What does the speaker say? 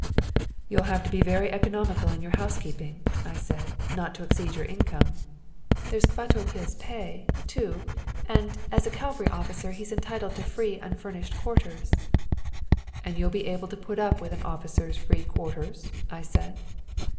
"You'll have to be very economical in your housekeeping," I said, "not to exceed your income." "There's Kvatopil's pay, too, and as a cavalry officer he is entitled to free unfurnished quarters." "And you'll be able to put up with an officer's free quarters?" I said.